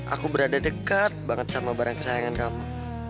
aku berada dekat banget sama barang kesayangan kamu